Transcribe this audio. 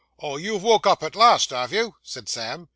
'Oh, you've woke up, at last, have you?' said Sam.